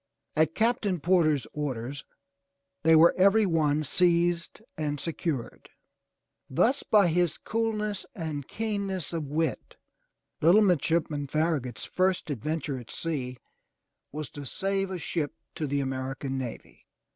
At Captain Porter's orders, they were every one seized and secured. Thus by his coolness and keenness of wit, little midshipman Farragut's first adventure at sea was to save a ship to the American navy.